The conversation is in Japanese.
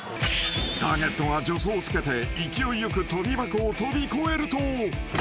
［ターゲットが助走をつけて勢いよく跳び箱を跳び越えると］